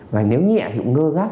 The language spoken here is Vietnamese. và nếu nhẹ thì cũng ngơ ngác